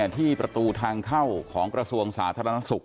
ที่ประตูทางเข้าของกระทรวงสาธารณสุข